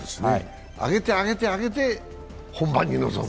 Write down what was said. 上げて、上げて、上げて本番に臨む。